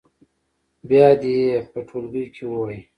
بیا دې یې په ټولګي کې ووايي.